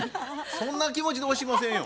そんな気持ちで押しませんよ。